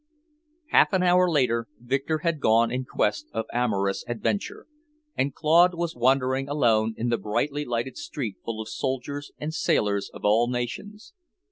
Half an hour later Victor had gone in quest of amorous adventure, and Claude was wandering alone in a brightly lighted street full of soldiers and sailors of all nations.